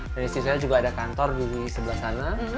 dan istri saya juga ada kantor di sebelah sana